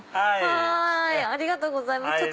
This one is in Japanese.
ありがとうございます